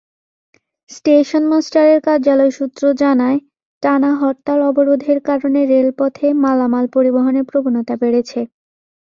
Station মাস্টারের কার্যালয় সূত্র জানায়, টানা হরতাল-অবরোধের কারণে রেলপথে মালামাল পরিবহনের প্রবণতা বেড়েছে।